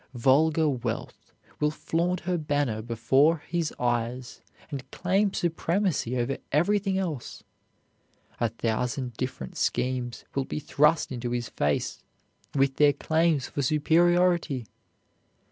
Vulgar Wealth will flaunt her banner before his eyes, and claim supremacy over everything else. A thousand different schemes will be thrust into his face with their claims for superiority.